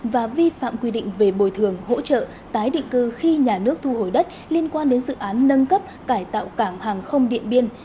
và vi phạm quy định về bồi thường hỗ trợ tái định cư khi nhà nước thu hồi đất liên quan đến dự án nâng cấp cải tạo cảng hàng không điện biên